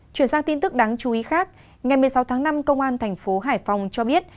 chuyển sang tin tức đáng chú ý khác ngày một mươi sáu tháng năm công an thành phố hải phòng cho biết